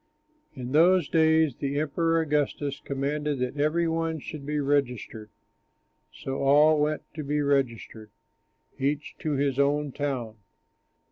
In those days the Emperor Augustus commanded that every one should be registered. So all went to be registered, each to his own town.